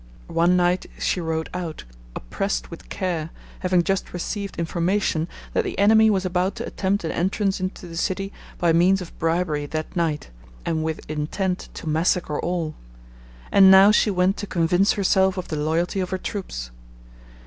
One night she rode out, oppressed with care, having just received information that the enemy was about to attempt an entrance into the city by means of bribery that night, and with intent to massacre all; and now she went to convince herself of the loyalty of her troops.